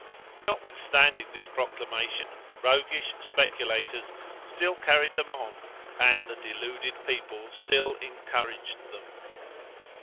Notwithstanding this proclamation, roguish speculators still carried them on, and the deluded people still encouraged them.